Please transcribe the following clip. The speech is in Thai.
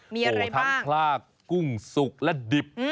มีอะไรบ้างโหท้ำพลากกุ้งสุกและดิบ